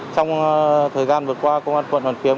trong thời gian vừa qua công an quận hoàn kiếm